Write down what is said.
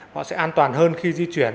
họ sẽ an toàn hơn khi di chuyển